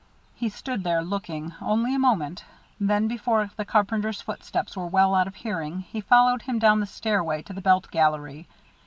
He stood there, looking, only a moment; then before the carpenter's footsteps were well out of hearing, he followed him down the stairway to the belt gallery.